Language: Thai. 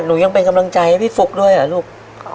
หนูยังเป็นกำลังใจให้พี่ฟุ๊กด้วยเหรอลูก